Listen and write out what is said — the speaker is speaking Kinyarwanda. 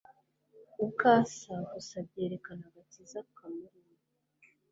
uko asa gusa byerekana agakiza kamurimo.